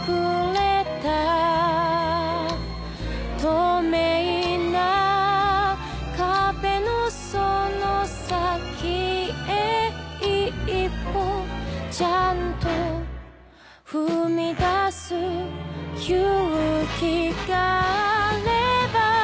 「透明な壁のその先へ一歩」「ちゃんと踏み出す勇気があれば」